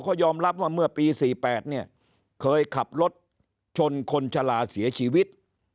เขายอมรับว่าเมื่อปี๔๘เนี่ยเคยขับรถชนคนชะลาเสียชีวิต